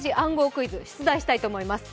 クイズ出題したいと思います。